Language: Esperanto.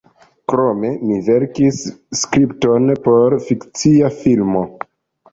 Krome mi verkis skripton por fikcia filmo.